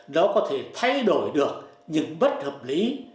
nó có thể thay đổi được những bất hợp lý